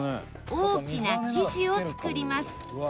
大きな生地を作ります。